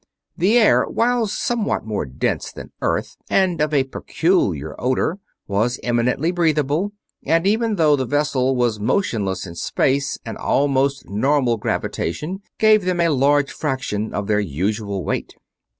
The air, while somewhat more dense than Earth's and of a peculiar odor, was eminently breathable, and even though the vessel was motionless in space an almost normal gravitation gave them a large fraction of their usual weight.